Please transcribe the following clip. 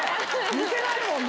似てないもんね。